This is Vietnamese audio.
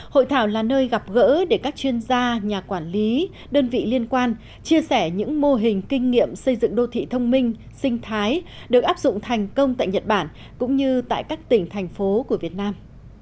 hội thảo là nơi gặp gỡ để các chuyên gia nhà quản lý đơn vị liên quan chia sẻ những mô hình kinh nghiệm xây dựng đô thị thông minh sinh thái được áp dụng thành công tại nhật bản cũng như tại các tỉnh thành phố của việt nam